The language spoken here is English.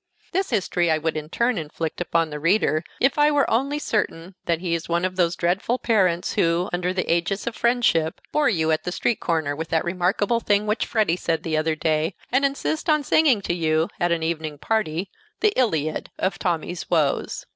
This history I would in turn inflict upon the reader, if I were only certain that he is one of those dreadful parents who, under the aegis of friendship, bore you at a street corner with that remarkable thing which Freddy said the other day, and insist on singing to you, at an evening party, the Iliad of Tommy's woes.